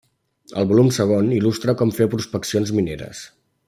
Al volum segon il·lustra com fer prospeccions mineres.